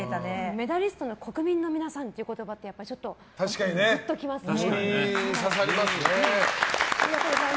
メダリストの国民の皆さんという言葉ってちょっと、ぐっとっ来ますよね。